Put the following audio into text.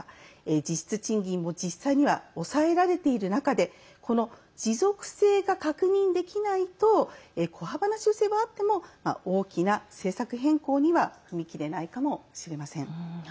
実質賃金も実際には抑えられている中でこの持続性が確認できないと小幅な修正はあっても大きな政策変更には踏み切れないかもしれません。